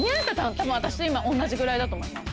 たぶん私と今同じぐらいだと思います。